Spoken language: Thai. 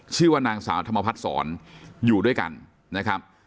ชื่อว่านางสาวธรรมพัฒนศรอยู่ด้วยกันนะครับ